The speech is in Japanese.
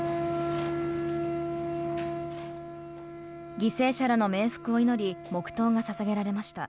犠牲者らの冥福を祈り、黙とうがささげられました。